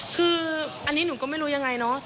คืออันนี้หนูก็ไม่รู้ยังไงเนอะ